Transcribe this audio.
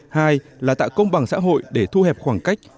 hai là tạo công bằng xã hội để thu hẹp khoảng cách